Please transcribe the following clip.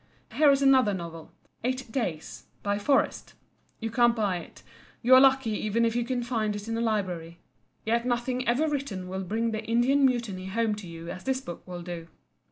Here is another novel—"Eight Days," by Forrest. You can't buy it. You are lucky even if you can find it in a library. Yet nothing ever written will bring the Indian Mutiny home to you as this book will do.